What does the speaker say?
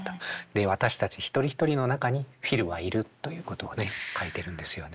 私たち一人一人の中にフィルはいる」ということをね書いてるんですよね。